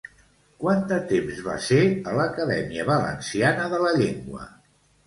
Quant de temps va ser a l'Acadèmia Valenciana de la Llengua?